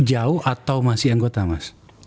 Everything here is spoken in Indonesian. jauh atau masih anggota mas